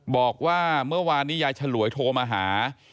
บอกว่าเมื่อวานนี้ยายฉลวยโทรมาหา